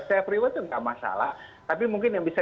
self rewards itu nggak masalah tapi mungkin yang bisa